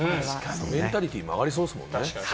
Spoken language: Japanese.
メンタリティも上がりそうですね。